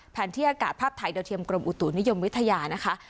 แผนที่อากาศภาพไทยเดี๋ยวเทียมกรมอุตุนิยมวิทยานะคะ